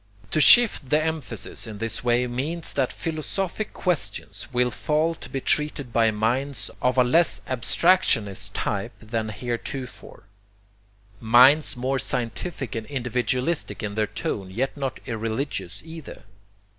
To shift the emphasis in this way means that philosophic questions will fall to be treated by minds of a less abstractionist type than heretofore, minds more scientific and individualistic in their tone yet not irreligious either.